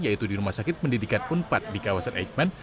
yaitu di rumah sakit pendidikan unpad di kawasan eikman